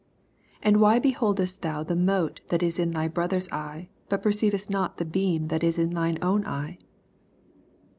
41 And why beholdest thou the mote that is in thv brother's eye, bat per ceivest Dot the beam that is in thine own eye